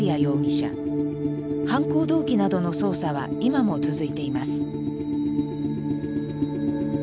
犯行動機などの捜査は今も続いています。